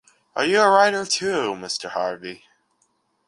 Are you a writer too, Mr. Harvey?